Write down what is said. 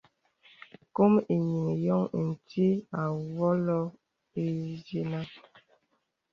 Kòm enīŋ yóŋ ntí àwolə ingənə.